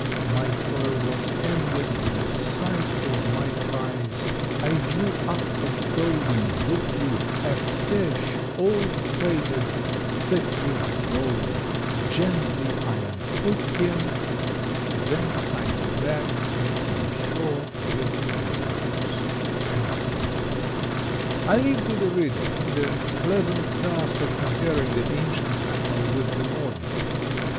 My toil was ended with the sight of my prize; I drew up a golden, look you, a fish all plated thick with gold. Gently I unhooked him then I dragged him on shore with the ropes." I leave to the reader the pleasant task of comparing the ancient tackle with the modern.